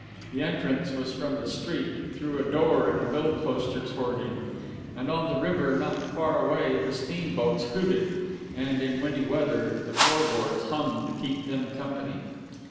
The entrance was from the street, through a door in a billposter's hoarding; and on the river not far away the steamboats hooted, and, in windy weather, the floorboards hummed to keep them company.